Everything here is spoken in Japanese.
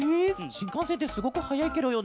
しんかんせんってすごくはやいケロよね？